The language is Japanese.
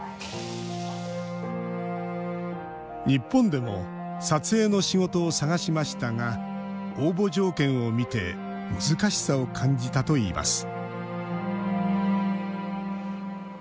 日本でも撮影の仕事を探しましたが応募条件を見て難しさを感じたといいます